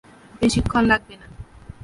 বেশিক্ষণ লাগবে না।